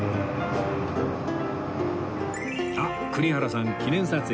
あっ栗原さん記念撮影ですか？